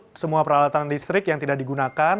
lalu cabut semua peralatan listrik yang tidak digunakan